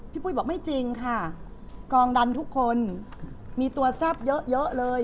ปุ้ยบอกไม่จริงค่ะกองดันทุกคนมีตัวแซ่บเยอะเลย